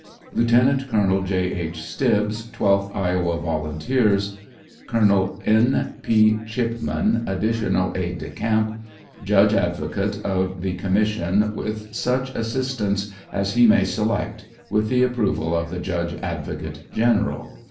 Lieutenant Colonel J. H. Stibbs, twelfth Iowa volunteers. Colonel N. P. Ohipman. additional aide de camp, ju3ge advocate of the commission, with such assistants as he may select, with the approval of the Judge Advocate General.